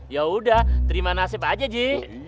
yaudah terima nasib aja haji